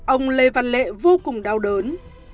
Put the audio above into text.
ông lê văn lệ vô cùng đau đớn